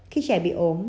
khi trẻ bị ốm